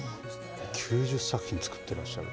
９０作品、作っていらっしゃる。